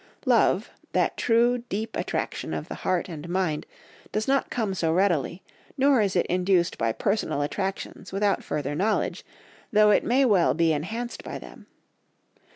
Love, that true deep attraction of the heart and mind, does not come so readily, nor is it induced by personal attractions without further knowledge, though it may well be enhanced by them.